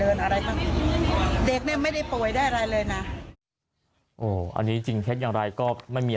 เด็กไม่ได้ป่วยได้อะไรเลยนะอันนี้จริงแค่อย่างไรก็ไม่มี